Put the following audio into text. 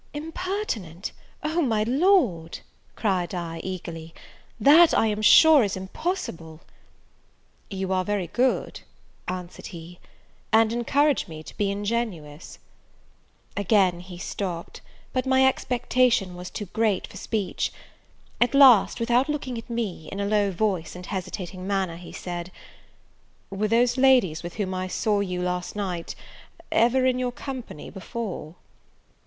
"Impertinent! O, my Lord," cried I, eagerly, "that, I am sure, is impossible!" "You are very good," answered he, "and encourage me to be ingenuous " Again he stopped: but my expectation was too great for speech. At last, without looking at me, in a low voice, and hesitating manner, he said, "Were those ladies with whom I saw you last night ever in your company before?"